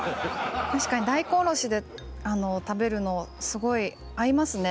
確かに大根おろしで食べるのすごい合いますね。